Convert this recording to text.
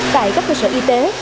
tại các cơ sở y tế